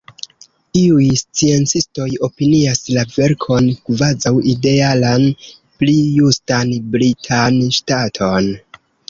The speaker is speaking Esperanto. Iuj sciencistoj opinias la verkon kvazaŭ idealan, pli justan britan ŝtaton.